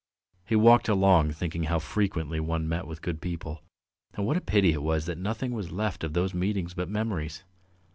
He walked along thinking how frequently one met with good people, and what a pity it was that nothing was left of those meetings but memories.